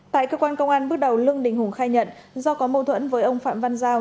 tại cơ quan công an bước đầu lưng đình hùng khai nhận do có mâu thuẫn với ông phạm văn giao